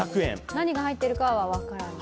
何が入っているかは分からない？